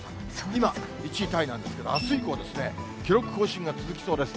今、１位タイなんですけど、あす以降は記録更新が続きそうです。